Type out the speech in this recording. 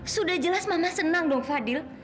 sudah jelas mama senang dong fadil